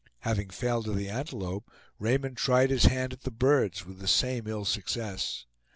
Having failed of the antelope, Raymond tried his hand at the birds with the same ill success.